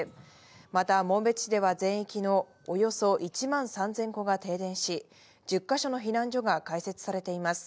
また紋別市では全域のおよそ１万３０００戸が停電し、１０か所の避難所が開設されています。